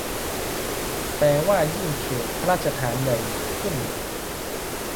แปลว่ายิ่งเขตพระราชฐานใหญ่ขึ้น